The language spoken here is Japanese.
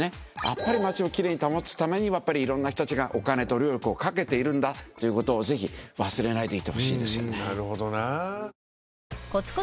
やっぱり街を奇麗に保つためにはいろんな人たちがお金と労力をかけているんだということを忘れないでいてほしいですよね。